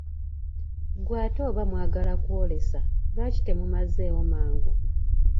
Ggwe ate oba mwagala kwoolesa, lwaki temumazeewo mangu?